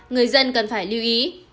người dân cần phải lưu ý